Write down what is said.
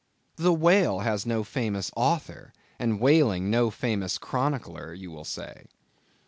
The whale has no famous author, and whaling no famous chronicler, you will say.